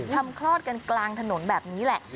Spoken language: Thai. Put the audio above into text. คลอดกันกลางถนนแบบนี้แหละ